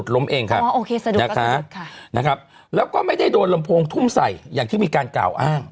แล้วก็ไม่ได้โดนลำโพงทุ่มใส่อย่างที่มีการกล่าวอ้าง